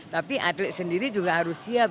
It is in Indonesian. tapi atlet sendiri juga harus siap